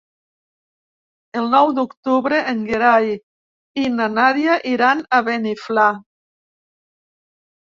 El nou d'octubre en Gerai i na Nàdia iran a Beniflà.